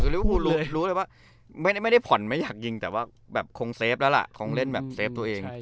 รีบภูลลืมรู้เลยว่าไม่ได้ไม่ได้ผ่อนไม่อยากยิงแต่ว่าแบบคงเสฟแล้วล่ะคงเล่นแบบเซฟตัวเองใช่ใช่